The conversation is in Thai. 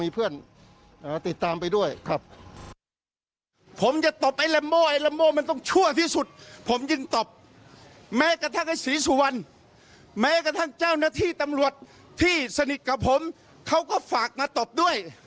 เพราะคุณสะกดกับผมเขาก็ฝากมาตบด้วย